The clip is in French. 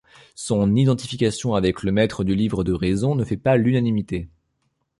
Son identification avec Le Maître du Livre de Raison ne fait pas l'unanimité.